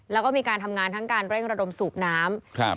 แล้วก็มีการทำงานทั้งการเร่งระดมสูบน้ำครับ